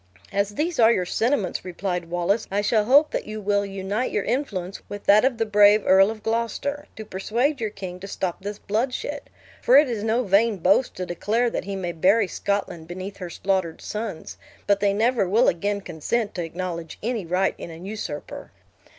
"As these are your sentiments," replied Wallace, "I shall hope that you will unite your influence with that of the brave Earl of Gloucester, to persuade your king to stop this bloodshed; for it is no vain boast to declare, that he may bury Scotland beneath her slaughtered sons, but they never will again consent to acknowledge any right in an usurper."